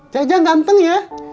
jajang ganteng ya